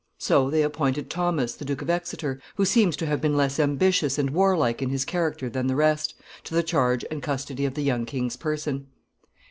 So they appointed Thomas, the Duke of Exeter, who seems to have been less ambitious and warlike in his character than the rest, to the charge and custody of the young king's person.